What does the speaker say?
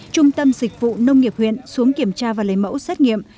trung tâm dịch vụ nông nghiệp huyện xuống kiểm tra và lấy mẫu xét nghiệm